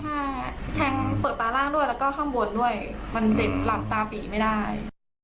ใช่แทงเปิดตาล่างด้วยแล้วก็ข้างบนด้วยมันเจ็บหลับตาปีไม่ได้